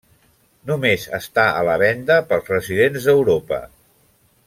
Només està a la venda pels residents d'Europa.